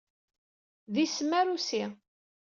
D isem arusi.